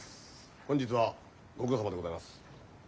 本日はご苦労さまでございます。